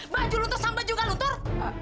baju luntur sama baju gak luntur